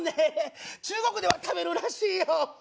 中国では食べるらしいよ！